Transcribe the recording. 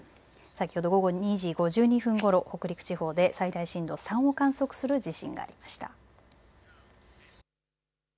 先ほど午後２時５２分ごろ北陸地方で最大震度３を観測する地震がありました。